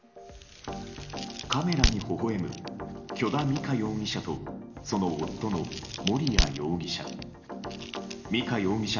カメラに微笑む許田美香容疑者とその夫の盛哉容疑者。